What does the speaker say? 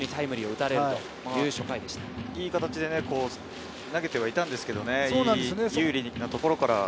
いい形で投げてはいたんですけどね。